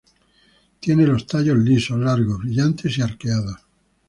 Tiene los tallos lisos, largos, brillantes y arqueados.